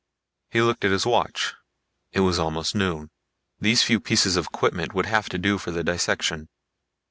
He looked at his watch. It was almost noon. These few pieces of equipment would have to do for the dissection.